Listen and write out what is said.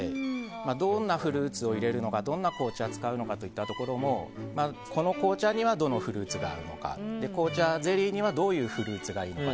どんなフルーツを入れるのかどんな紅茶を使うのかといったところもこの紅茶にはどのフルーツが合うのか紅茶ゼリーにはどういうフルーツがいいのか。